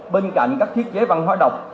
bên cạnh các thiết chế văn hóa độc